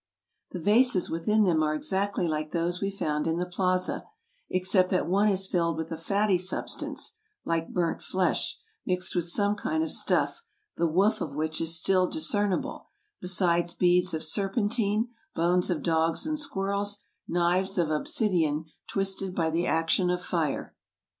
The vases within them are exactly like those we found in the plaza, except that one is filled with a fatty substance — like burnt flesh — mixed with some kind of stuff, the woof of which is still discernible, besides beads of serpentine, bones of dogs and squirrels, knives of obsidian, twisted by the action of fire.